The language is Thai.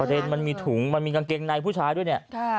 เด็นมันมีถุงมันมีกางเกงในผู้ชายด้วยเนี่ย